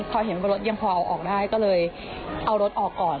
เราเห็นว่าที่มีมาตอบรถอ้อกก็เลยเอารถออกก่อน